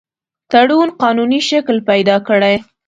تړون قانوني شکل پیدا کړي.